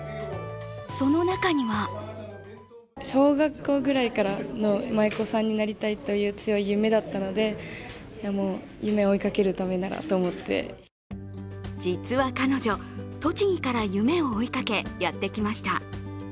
その中には実は彼女、栃木から夢を追いかけやってきました。